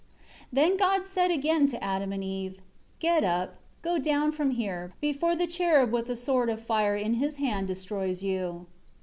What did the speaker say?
8 Then God said again to Adam and Eve, "Get up, go down from here, before the cherub with a sword of fire in his hand destroys you."